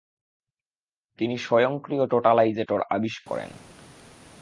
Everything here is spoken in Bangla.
তিনি স্বয়ংক্রিয় টোটালাইজেটর আবিষ্কার করেন।